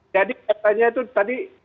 jadi katanya itu tadi